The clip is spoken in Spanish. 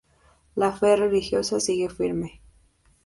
La fe religiosa sigue firme.